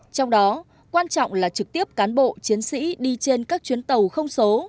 trong đó quan trọng là trực tiếp cán bộ chiến sĩ đi trên các chuyến tàu không số